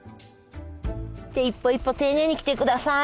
一歩一歩丁寧に来て下さい。